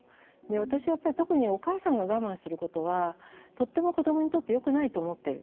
私やっぱり特にお母さんが我慢することはとっても子どもにとってよくないと思ってる。